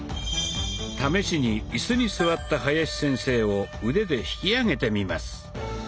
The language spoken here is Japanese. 試しにイスに座った林先生を腕で引き上げてみます。